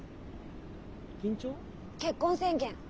結婚宣言！